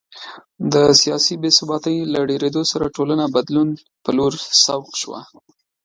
د سیاسي بې ثباتۍ له ډېرېدو سره ټولنه بدلون په لور سوق شوه